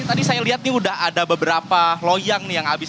tadi saya lihat nih udah ada beberapa loyang nih yang habis